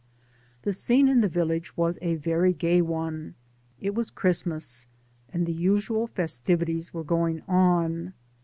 The scene in the village was a very gay one. It was Christmas, and the usual festi vities were going on.